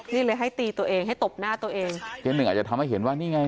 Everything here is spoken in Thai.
นี่เลยให้ตีตัวเองให้ตบหน้าตัวเองเจ๊หนึ่งอาจจะทำให้เห็นว่านี่ไง